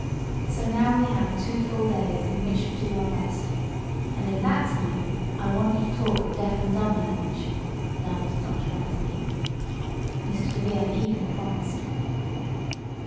So now we have two full days in which to do our best. And in that time I want you to talk the deaf and dumb language," laughed Dr. Rathby. Mr. DeVere eagerly promised.